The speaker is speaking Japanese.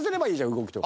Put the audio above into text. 動きとか。